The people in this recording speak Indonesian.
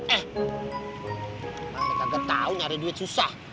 eh mana kaget tau nyari duit susah